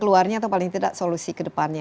keluarnya atau paling tidak solusi kedepannya